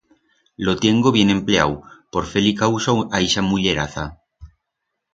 Lo tiengo bien empleau por fer-li causo a ixa mulleraza.